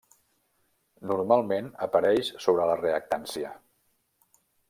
Normalment apareix sobre la reactància.